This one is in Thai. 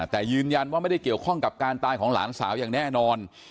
แต่ยืนยันว่าไม่ได้เกี่ยวข้องกับการตายของหลานสาวอย่างแน่นอน